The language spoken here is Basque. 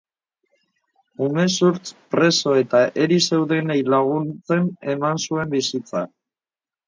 Umezurtz, preso eta eri zeudenei laguntzen eman zuen bizitza.